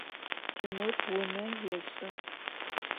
Timur vune yêş'ı.